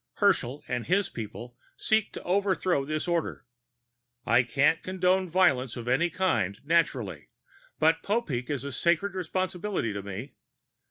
Herschel and his people seek to overthrow this order. I can't condone violence of any sort, naturally, but Popeek is a sacred responsibility to me.